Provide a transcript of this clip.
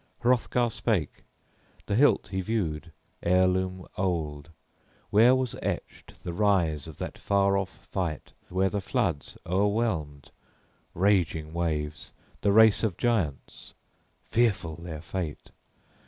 Hrothgar spake the hilt he viewed, heirloom old, where was etched the rise of that far off fight when the floods o'erwhelmed, raging waves, the race of giants (fearful their fate!)